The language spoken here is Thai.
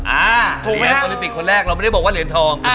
ภูเก็ตโอลิปิกคนแรกเราไม่ได้บอกว่าเหรียญทอง